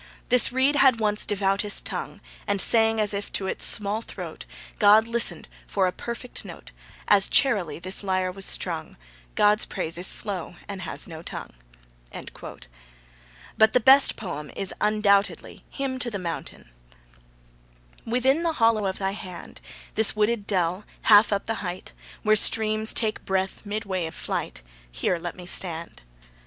'This reed had once devoutest tongue, And sang as if to its small throat God listened for a perfect note; As charily this lyre was strung: God's praise is slow and has no tongue.' But the best poem is undoubtedly the Hymn to the Mountain: Within the hollow of thy hand This wooded dell half up the height, Where streams take breath midway in flight Here let me stand.